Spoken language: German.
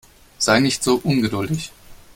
Sei nicht so ungeduldig.